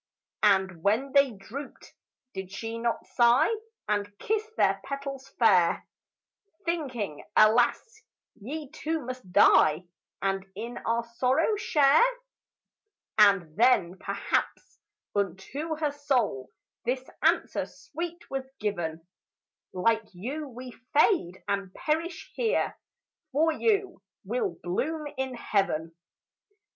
And when they drooped, did she not sigh And kiss their petals fair, Thinking, "Alas, ye too must die And in our sorrow share"? And then perhaps unto her soul This answer sweet was given, "Like you we fade and perish here; For you we'll bloom in heaven."